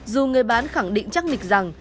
dù người bán khẳng định chắc mịch rằng